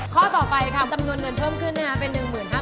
ข้อต่อไปค่ะสำนวนเงินเพิ่มขึ้นนะครับ